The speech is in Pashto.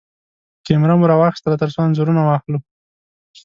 کېمره مو راواخيستله ترڅو انځورونه واخلو.